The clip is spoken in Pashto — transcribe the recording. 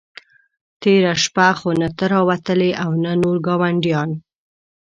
تېره شپه خو نه ته را وتلې او نه نور ګاونډیان.